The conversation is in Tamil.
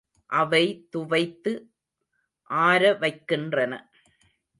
அவை துவைத்து ஆரவைக்கின்றன.